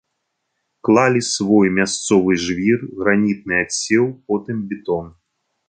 Клалі свой, мясцовы жвір, гранітны адсеў, потым бетон.